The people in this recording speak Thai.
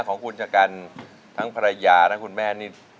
ของคุณจักรร้องทั้งภรรยาทั้งคุณแม่